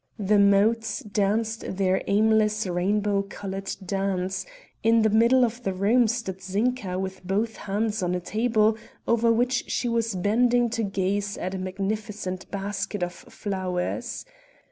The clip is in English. The motes danced their aimless rainbow colored dance; in the middle of the room stood Zinka with both hands on a table over which she was bending to gaze at a magnificent basket of flowers.